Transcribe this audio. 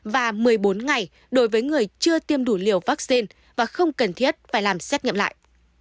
và một mươi bốn ngày đối với người chưa tiêm đủ liều vaccine và không cần thiết phải làm xét nghiệm lại